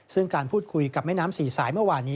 ซึ่งการพูดคุยกับแม่น้ำสี่สายเมื่อวานนี้